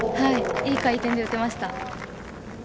◆いい回転で打てました。